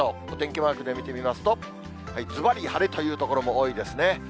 お天気マークで見てみますと、ずばり晴れという所も多いですね。